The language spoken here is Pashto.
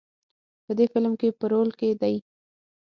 په دې فیلم کې په رول کې دی.